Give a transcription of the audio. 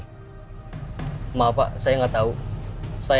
presiden juga pandemia gitu sama sama